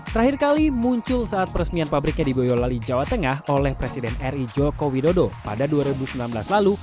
terakhir kali muncul saat peresmian pabriknya di boyolali jawa tengah oleh presiden ri joko widodo pada dua ribu sembilan belas lalu